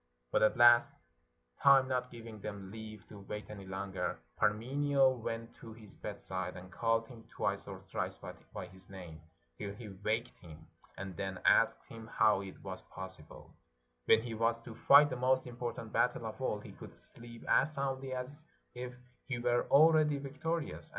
But at last, time not gi^■ing them leave to wait any longer, Parmenio went to his bedside, and called him t'VN'ice or thrice by his name, till he waked him, and then asked him how it was possible, when he was to fight the most important battle of all, he could sleep as soundly as if he were already vic torious.